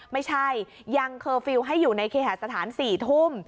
ไม่ใช่ยังเคอร์ฟิลล์ให้อยู่ในเคหาสถาน๔ทุ่ม